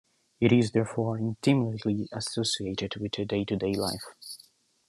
It is therefore intimately associated with their day-to-day life.